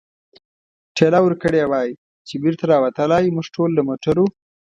ټېله ورکړې وای، چې بېرته را وتلای، موږ ټول له موټرو.